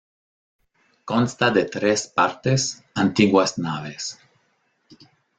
Consta de tres partes, antiguas naves.